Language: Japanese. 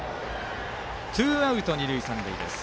ツーアウト二塁三塁です。